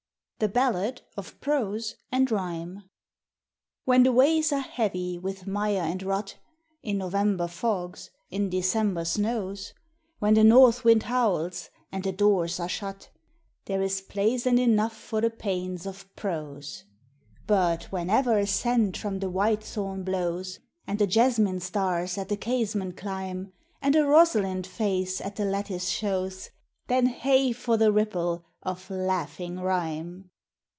THE BALLAD OF PROSE AND RHYME. When the ways are heavy with mire and rut, In November fogs, in December snows, When the North Wind howls, and the doors are shut, — There is place and enough for the pains of prose ; But whenever a scent from the whitethorn blows, And the jasmine stars at the casement climb, And a Jvosalind face at the lattice shows, Then hey ! for the ripple of laughing rhyme